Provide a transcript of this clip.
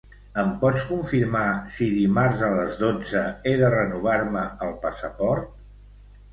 Em pots confirmar si dimarts a les dotze he de renovar-me el passaport?